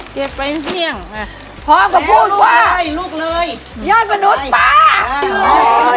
เก็บไปเสี่ยงพร้อมกับพูดว่าลูกเลยยอดมนุษย์ป้า